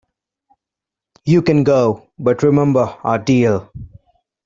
You can go, but remember our deal.